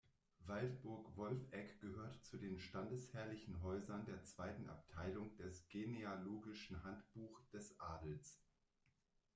Waldburg-Wolfegg gehört zu den standesherrlichen Häusern der zweiten Abteilung des Genealogischen Handbuch des Adels.